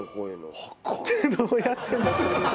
どうやってんの。